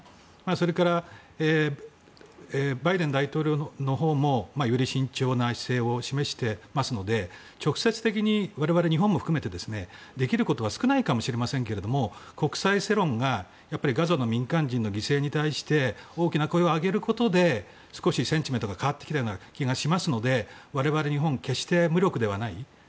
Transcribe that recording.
それからバイデン大統領のほうもより慎重な姿勢を示してますので直接的に、我々、日本も含めてできることは少ないかもしれませんが国際世論がガザの民間人の犠牲に対して大きな声を上げることで少しセンチメントが変わってきたような気がしますので我々日本も決して無力ではない。